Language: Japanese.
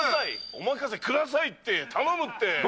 お任せくださいって、頼むって。